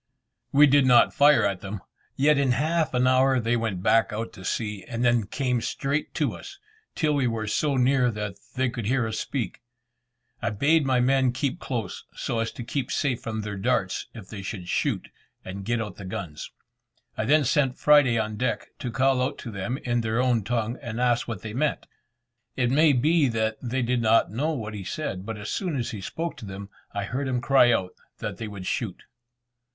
We did not fire at them, yet in half an hour they went back out to sea, and then came straight to us, till we were so near that they could hear us speak. I bade my men keep close, so as to be safe from their darts if they should shoot, and get out the guns. I then sent Friday on deck, to call out to them in their own tongue and ask what they meant. It may be that they did not know what he said, but as soon as he spoke to them I heard him cry out that they would shoot.